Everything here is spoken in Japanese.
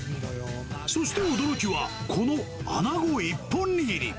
そして驚きは、この穴子一本握り。